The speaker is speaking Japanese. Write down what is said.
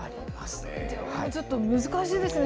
これはちょっと難しいですね。